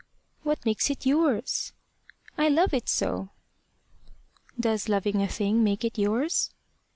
"What makes it yours?" "I love it so." "Does loving a thing make it yours?"